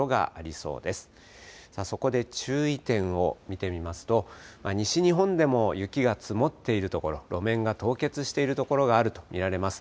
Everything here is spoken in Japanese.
そこで注意点を見てみますと、西日本でも雪が積もっている所、路面が凍結している所があると見られます。